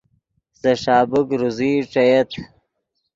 سے ݰابیک روزئی ݯییت